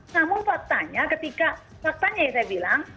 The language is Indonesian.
namun faktanya ketika faktanya ya saya bilang